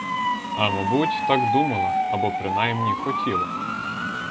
А, мабуть, так думала, або, принаймні, хотіла.